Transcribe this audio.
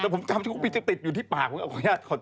ผมจำชื่อกูมิถิตฝกอยู่ที่ปาก